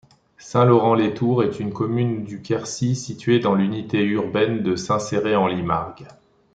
Saint-Laurent-les-Tours est une commune du Quercy située dans l'unité urbaine de Saint-Céré en Limargue.